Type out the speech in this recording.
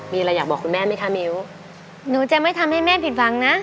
มีอะไรอยากบอกคุณแม่ไหมคะมิ้วหนูจะไม่ทำให้แม่ผิดหวังนะ